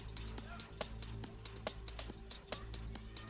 pasti kasih doang tak ke hitam dia